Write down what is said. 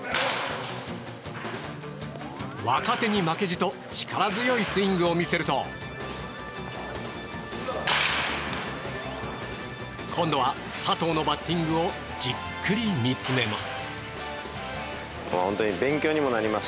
若手に負けじと力強いスイングを見せると今度は佐藤のバッティングをじっくり見つめます。